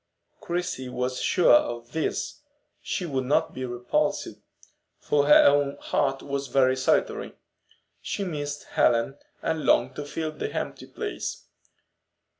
Christie was sure of this, and would not be repulsed; for her own heart was very solitary. She missed Helen, and longed to fill the empty place.